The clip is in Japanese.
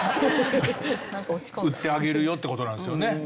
売ってあげるよって事なんですよね。